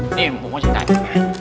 ini mpok siti tadi